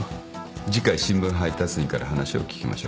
次回新聞配達員から話を聞きましょう。